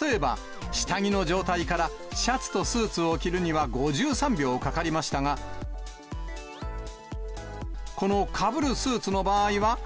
例えば、下着の状態からシャツとスーツを着るには、５３秒かかりましたが、このかぶるスーツの場合は。